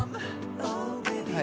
はい。